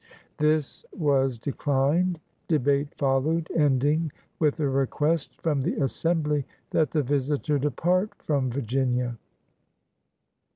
This was declined. Debate followed, ending with a request from the Assembly that the visitor depart from Virginia.